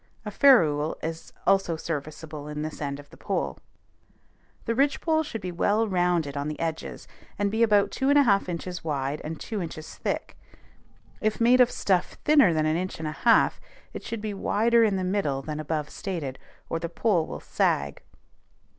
A ferrule is also serviceable on this end of the pole. The ridgepole should be well rounded on the edges, and be about two and a half inches wide and two inches thick. If made of stuff thinner than an inch and a half, it should be wider in the middle than above stated, or the pole will sag.